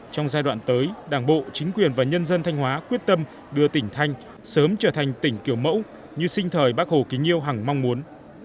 trong giai đoạn tới đảng bộ chính quyền và nhân dân thanh hóa quyết tâm đưa tỉnh thanh sớm trở thành tỉnh kiểu mẫu như sinh thời bác hồ kính yêu hẳng mong muốn